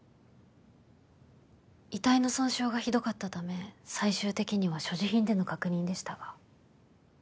遺体の損傷がひどかったため最終的には所持品での確認でしたが。